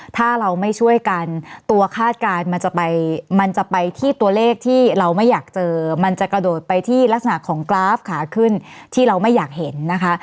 ถ้าเราไม่ช่วยกันตัวคาดการณ์มันจะไปมันจะไปที่ตัวเลขที่เราไม่อยากเจอมันจะกระโดดไปที่ลักษณะของกราฟขาขึ้นที่เราไม่อยากเห็นนะคะ